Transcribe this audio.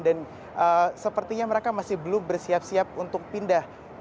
dan sepertinya mereka masih belum bersiap siap untuk pindah